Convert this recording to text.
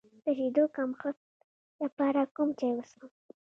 د شیدو د کمښت لپاره کوم چای وڅښم؟